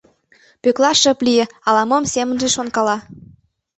Пӧкла шып лие, ала-мом семынже шонкала.